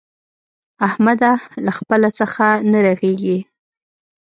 احمده! له خپله څخه نه رغېږي.